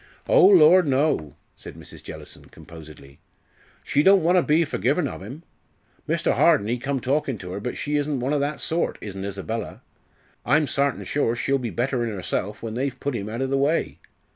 "Oh, lor' no!" said Mrs. Jellison, composedly. "She don't want to be forgivin' of 'im. Mr. Harden ee come talkin' to 'er, but she isn't one o' that sort, isn't Isabella. I'm sartin sure she'll be better in 'erself when they've put 'im out o' the way.